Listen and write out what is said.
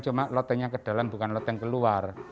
cuma lotengnya ke dalam bukan loteng keluar